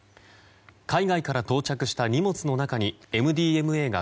海外から到着した荷物の中にＭＤＭＡが